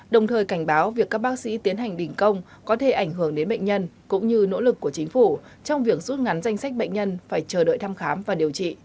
đồng thời cảnh báo việc các bác sĩ tiến hành đình công có thể ảnh hưởng đến bệnh nhân cũng như nỗ lực của chính phủ trong việc rút ngắn danh sách bệnh nhân phải chờ đợi thăm khám và điều trị